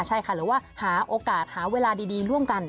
ใช่ค่ะหรือว่าหาโอกาสหาเวลาดีร่วมกัน